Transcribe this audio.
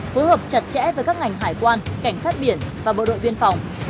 phối hợp chặt chẽ với các ngành hải quan cảnh sát biển và bộ đội biên phòng